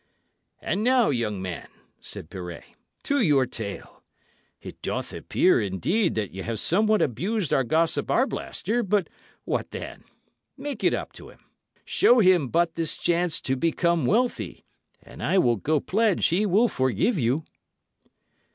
"And now, young man," said Pirret, "to your tale. It doth appear, indeed, that ye have somewhat abused our gossip Arblaster; but what then? Make it up to him show him but this chance to become wealthy and I will go pledge he will forgive you."